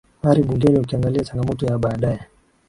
ari bungeni ukiangalia changamoto ya baadaye